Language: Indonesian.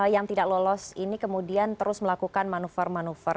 yang tidak lolos ini kemudian terus melakukan manuver manuver